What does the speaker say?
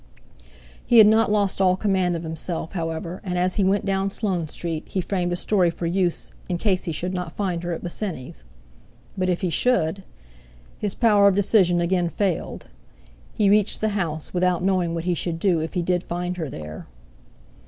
He had not lost all command of himself, however, and as he went down Sloane Street he framed a story for use, in case he should not find her at Bosinney's. But if he should? His power of decision again failed; he reached the house without knowing what he should do if he did find her there.